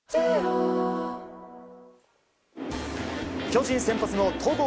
巨人先発の戸郷